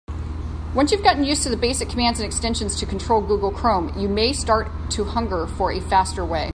Once you've gotten used to the basic commands and extensions to control Google Chrome, you may start to hunger for a faster way.